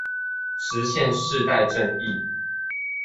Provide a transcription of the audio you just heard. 實現世代正義